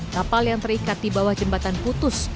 kapal yang terikat di bawah jembatan putus